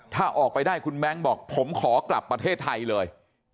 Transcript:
ถ้าออกไปได้คุณแบงค์บอกผมขอกลับประเทศไทยเลย